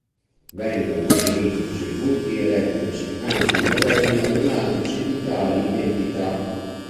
Vengono definiti circuiti elettrici anche i modelli matematici di tali entità.